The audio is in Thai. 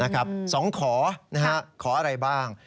ขอขออะไรบ้าง